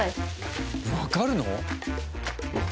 わかるの？